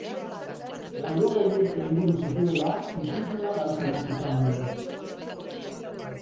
Laurogei urte inguru zituela ikusmena galtzen hasi zen Dolores.